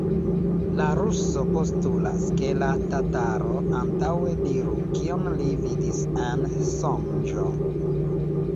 La ruso postulas, ke la tataro antaŭe diru, kion li vidis en sonĝo.